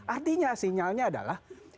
artinya sinyalnya adalah